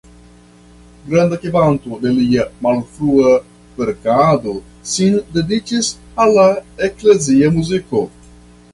Granda kvanto de lia malfrua verkado sin dediĉis al la eklezia muziko.